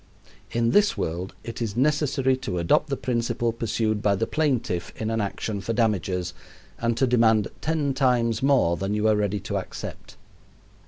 In this world it is necessary to adopt the principle pursued by the plaintiff in an action for damages, and to demand ten times more than you are ready to accept.